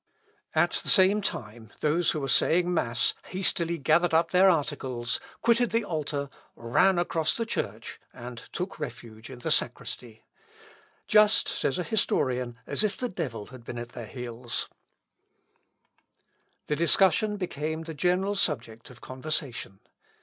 At the same time, those who were saying mass hastily gathered up their articles, quitted the altar, ran across the church, and took refuge in the sacristy, "just," says a historian, "as if the devil had been at their heels." [Sidenote: SAYING OF DUKE GEORGE. CLOSE OF THE DISCUSSION.] The discussion became the general subject of conversation.